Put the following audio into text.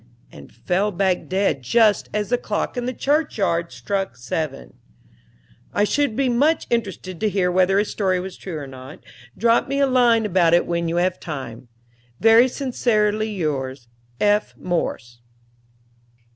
and fell back dead just as the clock in the church yard struck seven. I should be much interested to hear whether his story was true or not. Drop me a line about it when you have time. Very sincerely yours, F. MORSE.